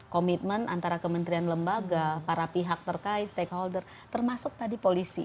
komitmen antara kementerian lembaga para pihak terkait stakeholder termasuk tadi polisi